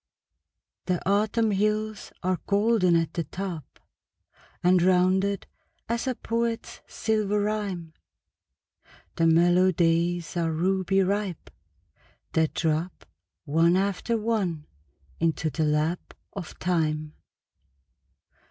The Autumn hills are golden at the top, And rounded as a poet's silver rhyme; The mellow days are ruby ripe, that drop One after one into the lap of time.